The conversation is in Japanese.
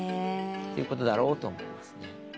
ということだろうと思いますね。